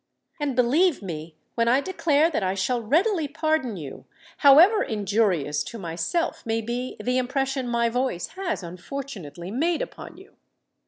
"And believe me when I declare that I shall readily pardon you, however injurious to myself may be the impression my voice has unfortunately made upon you.